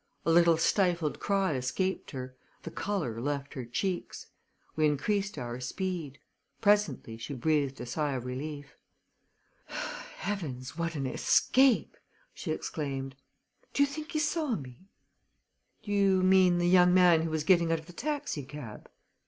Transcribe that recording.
A little stifled cry escaped her; the color left her cheeks. We increased our speed. Presently she breathed a sigh of relief. "Heavens, what an escape!" she exclaimed. "Do you think he saw me?" "Do you mean the young man who was getting out of the taxicab?"